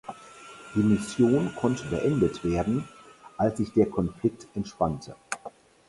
Die Mission konnte beendet werden, als sich der Konflikt entspannte.